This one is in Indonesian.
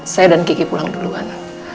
saya dan gigi pulang duluan